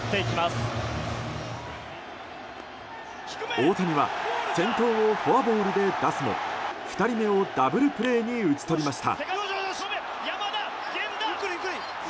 大谷は先頭をフォアボールで出すも２人目をダブルプレーに打ち取りました。